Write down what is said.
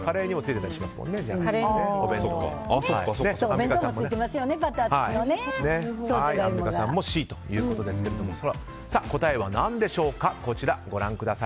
アンミカさんもＣということで答えは何でしょうか。